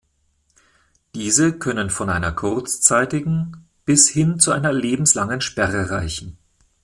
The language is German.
Diese können von einer kurzzeitigen bis hin zu einer lebenslangen Sperre reichen.